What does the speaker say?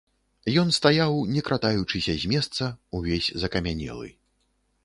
Ён стаяў, не кратаючыся з месца, увесь закамянелы.